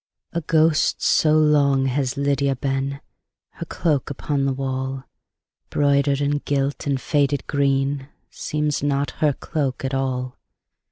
A ghost so long has Lydia been, Her cloak upon the wall, Broidered, and gilt, and faded green, Seems not her cloak at all.